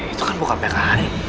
itu kan bukan pki